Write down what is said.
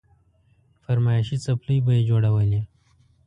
فرمايشي څپلۍ به يې جوړولې.